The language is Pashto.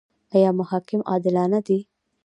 آیا محاکم عادلانه دي؟